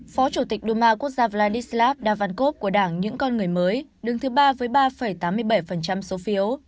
phó chủ tịch đô ma quốc gia vladislav davankov của đảng những con người mới đứng thứ ba với ba tám mươi bảy số phiếu